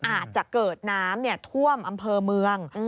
อาจจะเกิดน้ำท่วมอำเภอเมือง